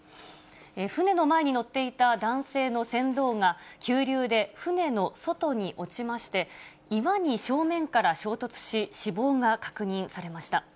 船の前に乗っていた男性の船頭が、急流で船の外に落ちまして、岩に正面から衝突し、死亡が確認されました。